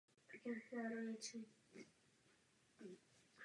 Finanční krize se stupňuje.